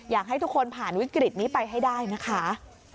อยากให้ทุกคนผ่านวิกฤตนี้ไปให้ได้นะคะ